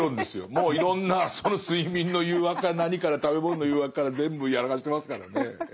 もういろんな睡眠の誘惑から何から食べ物の誘惑から全部やらかしてますからねええ。